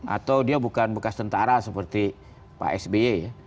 atau dia bukan bekas tentara seperti pak sby ya